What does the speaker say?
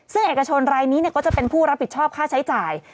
ซึ่งเอกชนรายนี้ก็จะเป็นผู้รับผิดชอบค่าใช้จ่าย